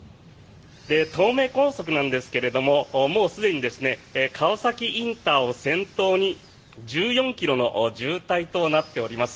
東名高速ですがもうすでに川崎ＩＣを先頭に１４ｋｍの渋滞となっております。